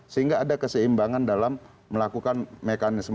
sehingga ada keseimbangan dalam melakukan mekanisme